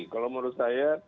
kalau menurut saya